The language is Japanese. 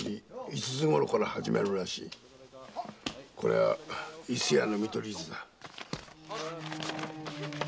これは伊勢屋の見取り図だ。